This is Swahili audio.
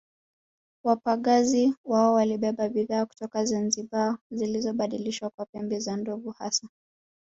Wapagazi wao walibeba bidhaa kutoka Zanzibar zilizobadilishwa kwa pembe za ndovu hasa